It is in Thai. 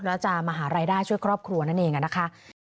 แล้วจะมาหารายได้ช่วยครอบครัวนั่นเองนะคะ